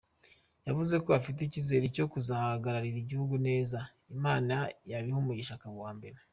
Yavuze ko afite icyizere cyo kuzahagararira igihugu neza Imana yabiha umugisha akaba uwa mbere.